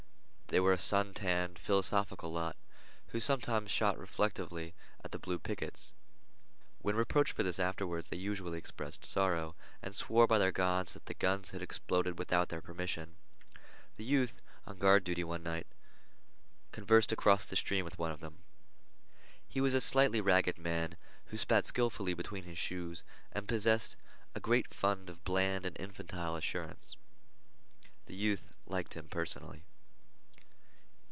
They were a sun tanned, philosophical lot, who sometimes shot reflectively at the blue pickets. When reproached for this afterward, they usually expressed sorrow, and swore by their gods that the guns had exploded without their permission. The youth, on guard duty one night, conversed across the stream with one of them. He was a slightly ragged man, who spat skillfully between his shoes and possessed a great fund of bland and infantile assurance. The youth liked him personally.